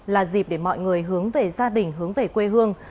là dịp để mọi người hướng về gia đình hướng về quê hương